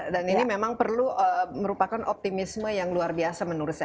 dan ini memang perlu merupakan optimisme yang luar biasa menurut saya